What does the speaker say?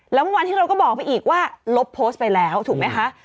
แล้วเมื่อวานนี้เราก็บอกไปอีกว่าลบโพสต์ไปแล้วถูกไหมคะ